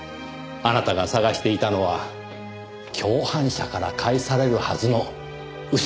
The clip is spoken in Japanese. あなたが捜していたのは共犯者から返されるはずの失った１枚です。